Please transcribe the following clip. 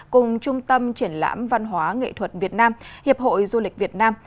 cùng trung tâm triển lãm văn hóa nghệ thuật việt nam hiệp hội du lịch việt nam